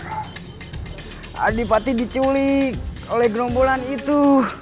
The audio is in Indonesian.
adipaten pati diculik oleh gerombolan itu